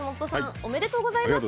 おめでとうございます。